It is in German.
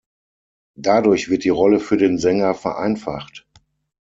Dadurch wird die Rolle für den Sänger vereinfacht.